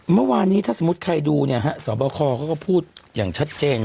เมื่อวานนี้ถ้าสมมุติใครดูเนี่ยฮะสอบคอเขาก็พูดอย่างชัดเจน